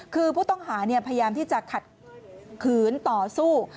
คือผู้ต้องหาพยายามที่จะขัดขืนต่อสู้